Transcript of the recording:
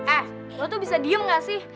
eh gue tuh bisa diem gak sih